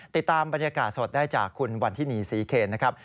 ติดตามบรรยากาศสดได้จากคุณวันทินีศรีเคนนะครับ